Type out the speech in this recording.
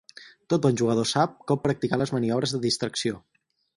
Tot bon jugador sap com practicar les maniobres de distracció.